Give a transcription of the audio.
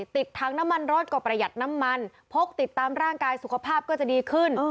ติดถังน้ำมันรถก็ประหยัดน้ำมันพกติดตามร่างกายสุขภาพก็จะดีขึ้น